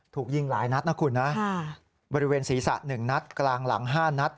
ถูกยิงหลายนัดนะคุณนะบริเวณศีรษะ๑นัดกลางหลัง๕นัด